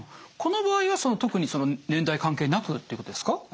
この場合は特に年代関係なくってことですか？